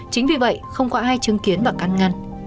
chính vì vậy không có ai chứng kiến và căn ngăn